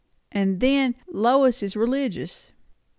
"And then, Lois is religious."